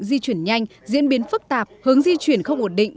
di chuyển nhanh diễn biến phức tạp hướng di chuyển không ổn định